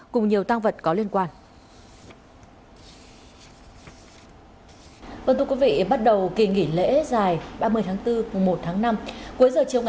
cùng nhiều tăng vật có liên quan